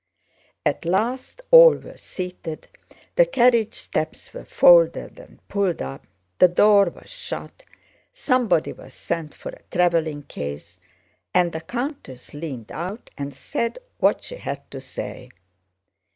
At last all were seated, the carriage steps were folded and pulled up, the door was shut, somebody was sent for a traveling case, and the countess leaned out and said what she had to say.